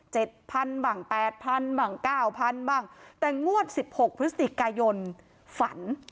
พันบ้างแปดพันบ้างเก้าพันบ้างแต่งวดสิบหกพฤศจิกายนฝัน